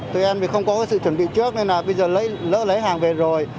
tụi em không có sự chuẩn bị trước nên là bây giờ lỡ lấy hàng về rồi